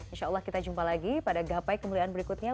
insya allah kita jumpa lagi pada gapai kemuliaan berikutnya